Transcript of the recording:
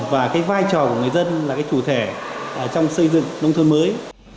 và cái vai trò của người dân là cái chủ thể trong xây dựng nông thôn mới